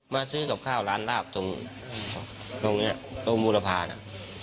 มาซื้อกับข้าวร้านลาบตรงนี้ตรงบูรพาน่ะ